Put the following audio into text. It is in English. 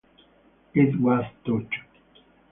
It was tough.